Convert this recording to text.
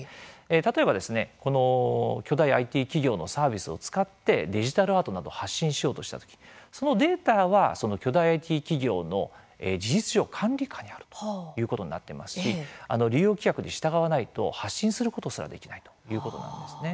例えば、巨大ＩＴ企業のサービスを使ってデジタルアートなど発信しようとした時データは巨大ＩＴ企業の事実上管理下あるということになっていますし利用規約に従わないと発信することすらできないということなんですね。